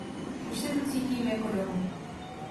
Už se tu cítím jako doma.